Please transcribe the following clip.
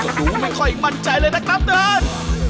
ดูไม่ค่อยมั่นใจเลยนะครับเดิน